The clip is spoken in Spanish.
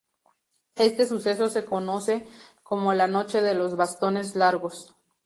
Este suceso se conoce como "la noche de los bastones largos".